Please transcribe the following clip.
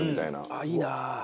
ああいいな！